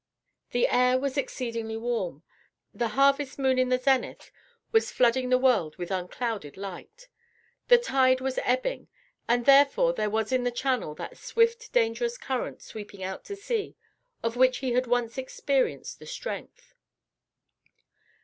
The air was exceedingly warm. The harvest moon in the zenith was flooding the world with unclouded light. The tide was ebbing, and therefore there was in the channel that swift, dangerous current sweeping out to sea of which he had once experienced the strength.